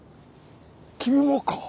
君もか。